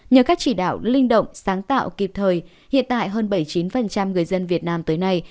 nhờ các chỉ đạo linh động sáng tạo kịp thời hiện tại hơn bảy mươi chín người dân việt nam tới nay